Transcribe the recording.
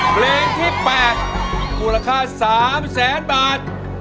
เพลงที่แปดมูลค่าสามแสนบาท